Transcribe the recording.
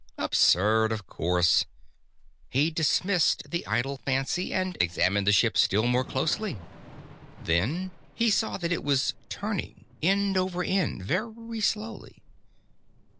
Absurd, of course: he dismissed the idle fancy and examined the ship still more closely. Then he saw that it was turning, end over end, very slowly.